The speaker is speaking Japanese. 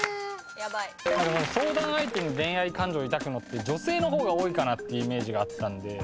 相談相手に恋愛感情を抱くのって女性の方が多いかなっていうイメージがあったんで。